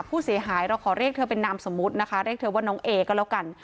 ผู้เสียหายเราขอเรียกเธอเป็นนามสมมุตินะคะเรียกเธอว่าน้องเอก็แล้วกัน